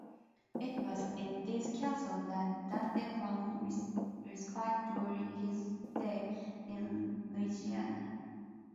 It was in these castles that Dante found respite during his stay in Lunigiana.